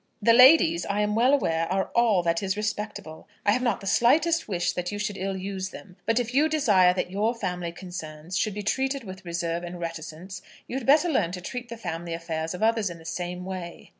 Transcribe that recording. "] "The ladies, I am well aware, are all that is respectable. I have not the slightest wish that you should ill use them. But if you desire that your family concerns should be treated with reserve and reticence, you had better learn to treat the family affairs of others in the same way."